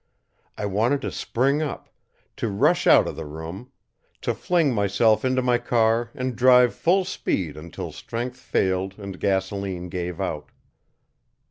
I wanted to spring up, to rush out of the room; to fling myself into my car and drive full speed until strength failed and gasoline gave out.